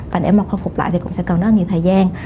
và để mà khôi phục lại thì cũng sẽ cần rất nhiều thời gian